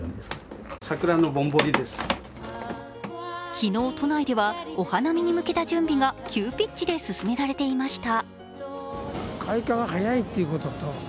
昨日、都内ではお花見に向けた準備が急ピッチで進められていました。